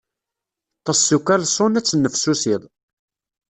Ṭṭes s ukalṣun, ad tennefsusiḍ.